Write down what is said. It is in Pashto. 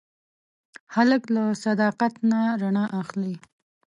هلک له صداقت نه رڼا اخلي.